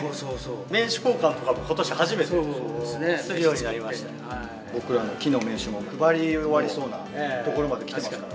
名刺交換とかも、ことし初め僕らの木の名刺も配り終わりそうなところまできてますから。